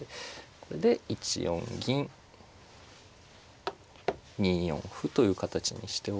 これで１四銀２四歩という形にしておいて。